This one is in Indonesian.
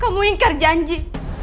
kamu ingkar janji